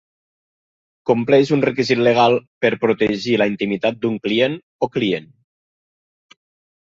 Compleix un requisit legal per protegir la intimitat d'un client o client.